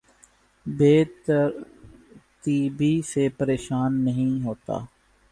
بے ترتیبی سے پریشان نہیں ہوتا